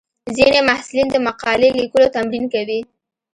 ځینې محصلین د مقالې لیکلو تمرین کوي.